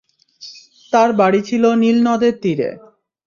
তাঁর বাড়ি ছিল নীলনদের তীরে।